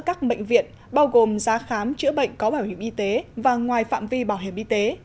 các bệnh viện bao gồm giá khám chữa bệnh có bảo hiểm y tế và ngoài phạm vi bảo hiểm y tế